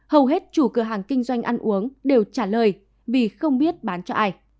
hầu hết chủ cửa hàng kinh doanh ăn uống đều trả lời vì không biết bán cho ai